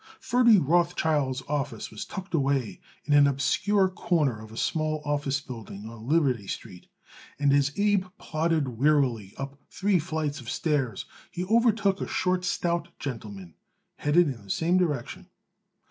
Ferdy Rothschild's office was tucked away in an obscure corner of a small office building on Liberty Street, and as Abe plodded wearily up three flights of stairs he overtook a short, stout gentleman headed in the same direction.